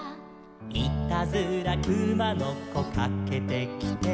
「いたずらくまのこかけてきて」